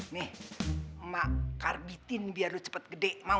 nih emak karbitin biar cepet gede mau